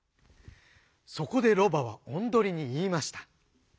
そこでロバはオンドリにいいました。